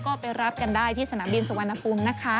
ก็ไปรับกันได้ที่สนามบินสุวรรณภูมินะคะ